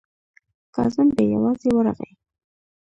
کازم بې یوازې ورغی.